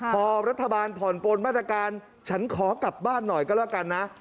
พอรัฐบาลผ่อนปนมาตรการฉันขอกลับบ้านหน่อยก็แล้วกันนะ